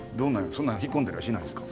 そんなに引っ込んだりはしないんですか？